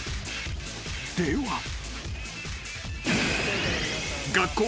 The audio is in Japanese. では］